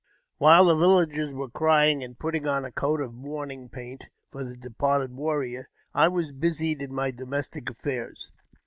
While the villagers were crying and putting on a coat of mourning paint for the departed warrior, I was busied in my domestic affairs.